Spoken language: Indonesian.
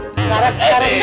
sekarang sekarang sekarang